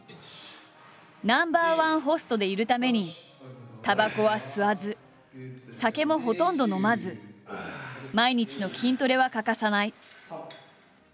ナンバーワンホストでいるためにタバコは吸わず酒もほとんど飲まず毎日の筋トレは欠かさない。